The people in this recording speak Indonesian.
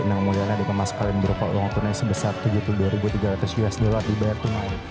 yang kemudiannya dikemaskan berapa uang tunai sebesar tujuh puluh dua tiga ratus usd dibayar tunggal